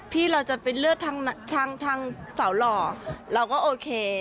ที่เราจะเป็นเลือดทางสาวหล่อเราก็โอเค